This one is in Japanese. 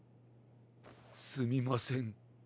すみません。